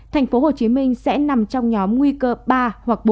tp hcm sẽ nằm trong nhóm nguy cơ ba hoặc bốn